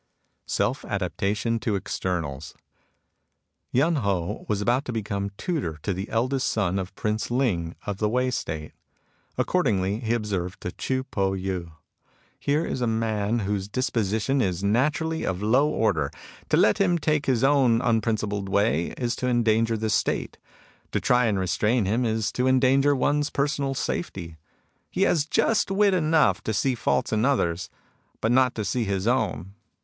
SELF ADAPTATION TO EXTERNALS Yen Ho was about to become tutor to the eldest son of Prince Ling of the Wei State. Accordingly he observed to Chii Po Yii :" Here is a man whose disposition is naturally of a low order. To let him take his own unprincipled way is to endanger the State. To try to restrain him is to endanger one's personal safety. He has just wit enough to see faults in others, but not to see his own.